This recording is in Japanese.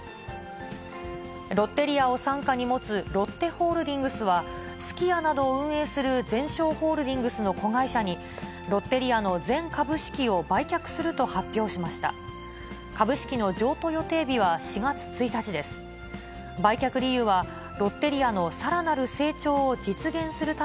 ロッテリアを傘下に持つロッテホールディングスは、すき家などを運営するゼンショーホールディングスの子会社にロッテリアの全株式を売却すると発表しました。